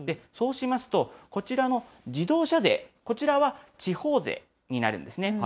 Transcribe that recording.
そうしますと、こちらの自動車税、こちらは地方税になるんですね。